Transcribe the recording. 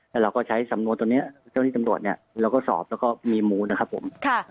แล้วเราก็ใช้สำนวนตัวนี้เจ้าที่ตำรวจเราก็สอบแล้วก็มีมูลนะครับผม